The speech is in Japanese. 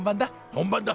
本番だ。